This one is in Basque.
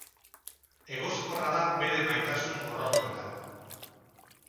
Egoskorra da bere maitasun-gorrotoetan.